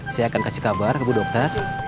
saya akan kasih kabar ke bu dokter